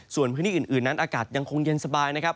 ส่วนพื้นที่อื่นนั้นอากาศยังคงเย็นสบายนะครับ